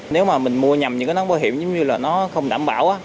nếu mà mình mua nhầm những cái nón bảo hiểm giống như là nó không đảm bảo